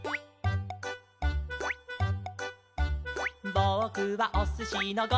「ぼくはおすしのご・は・ん」